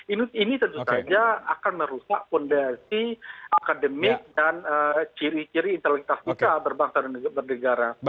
ini tentu saja akan merusak fondasi akademik dan ciri ciri intelitas kita berbangsa dan bernegara